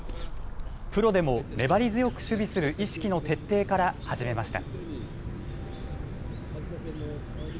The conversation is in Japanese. プロでも粘り強く守備する意識の徹底から始めました。